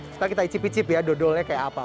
kita icip icip ya dodolnya kayak apa